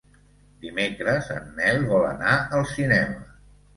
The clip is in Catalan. Dimecres en Nel vol anar al cinema.